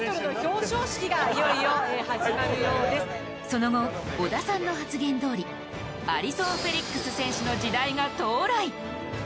その後、織田さんの発言どおりアリソン・フェリックス選手の時代が到来。